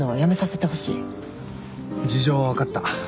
事情は分かった。